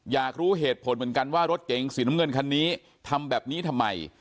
อยากรู้เหตุผลเหมือนกันว่ารถเก๋งสีน้ำเงินคันนี้ทำแบบนี้ทำไม